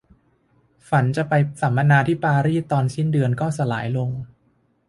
ฝันจะไปสัมมนาที่ปารีสตอนสิ้นเดือนก็สลายลง